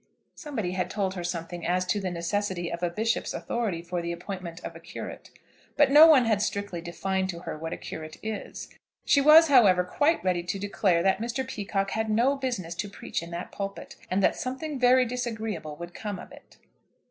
Somebody had told her something as to the necessity of a bishop's authority for the appointment of a curate; but no one had strictly defined to her what a curate is. She was, however, quite ready to declare that Mr. Peacocke had no business to preach in that pulpit, and that something very disagreeable would come of it.